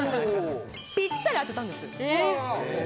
ぴったり当てたんです。